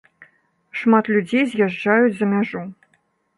Шмат людзей з'язджаюць за мяжу.